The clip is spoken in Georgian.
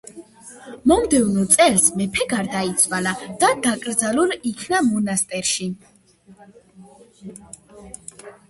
მომდევნო წელს, მეფე გარდაიცვალა და დაკრძალულ იქნა მონასტერში.